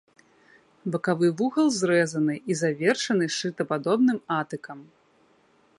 Бакавы вугал зрэзаны і завершаны шчытападобным атыкам.